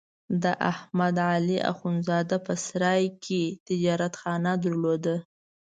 د احمد علي اخوندزاده په سرای کې تجارتخانه درلوده.